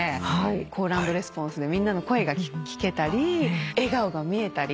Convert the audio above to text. コールアンドレスポンスでみんなの声が聞けたり笑顔が見えたり。